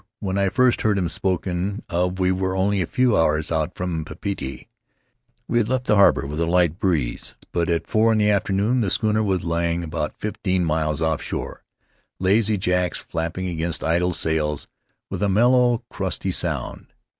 When I first heard him spoken of we were only a few hours out from Papeete. We had left the harbor with a light breeze, but at four in the afternoon the schooner was lying about fifteen miles offshore, lazy jacks flapping against idle sails with a mellow, crusty sound.